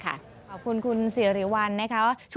ขอบคุณคุณสิริวัลนะคะ